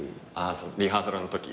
リハーサルのとき？